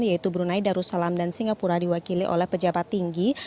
yaitu brunei darussalam dan singapura diwakili oleh pejabat tinggi